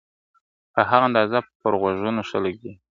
په هغه اندازه پر غوږونو ښه لګیږي !.